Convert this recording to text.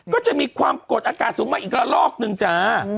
ก็จะมีความกดอากาศสูงมาอีกละลอกหนึ่งจ้า